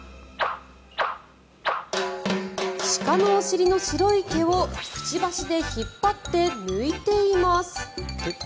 鹿のお尻の白い毛をくちばしで引っ張って抜いています。